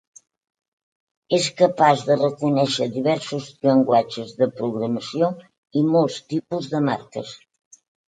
És capaç de reconèixer diversos llenguatges de programació i molts tipus de marques.